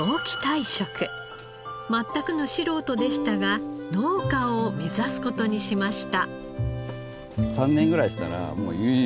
全くの素人でしたが農家を目指す事にしました。